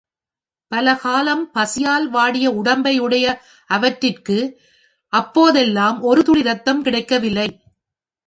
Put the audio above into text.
பல காலம் பசியால் வாடிய உடம்பையுடைய அவற்றிற்கு அப்போதெல்லாம் ஒரு துளி ரத்தம் கிடைக்கவில்லை.